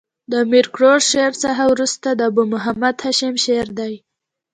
د امیر کروړ شعر څخه ورسته د ابو محمد هاشم شعر دﺉ.